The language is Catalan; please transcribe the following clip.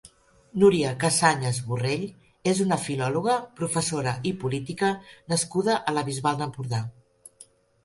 Núria Cassanyes Borrell és una filòloga, professora i política nascuda a la Bisbal d'Empordà.